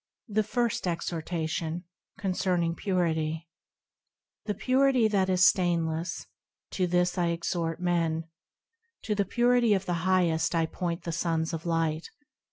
The First Exhortation, concerning Purity THE Purity that is stainless, To this I exhort men ; To the Purity of the Highest I point the Sons of Light.